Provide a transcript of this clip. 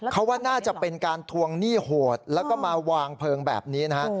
เขาว่าน่าจะเป็นการทวงหนี้โหดแล้วก็มาวางเพลิงแบบนี้นะฮะ